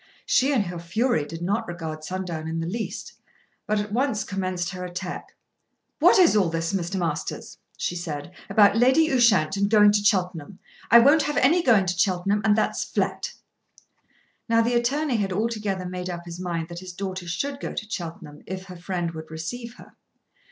She in her fury did not regard Sundown in the least, but at once commenced her attack. "What is all this, Mr. Masters," she said, "about Lady Ushant and going to Cheltenham? I won't have any going to Cheltenham and that's flat." Now the attorney had altogether made up his mind that his daughter should go to Cheltenham if her friend would receive her.